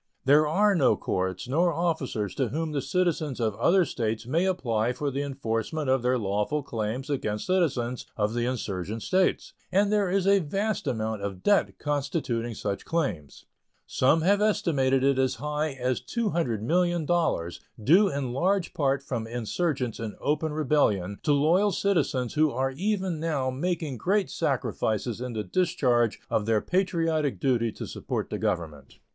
There are no courts nor officers to whom the citizens of other States may apply for the enforcement of their lawful claims against citizens of the insurgent States, and there is a vast amount of debt constituting such claims. Some have estimated it as high as $200,000,000, due in large part from insurgents in open rebellion to loyal citizens who are even now making great sacrifices in the discharge of their patriotic duty to support the Government.